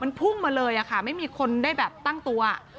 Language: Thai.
มันพุ่งมาเลยค่ะไม่มีคนได้แบบตั้งตัว